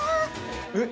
えっ！